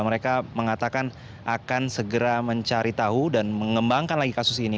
mereka mengatakan akan segera mencari tahu dan mengembangkan lagi kasus ini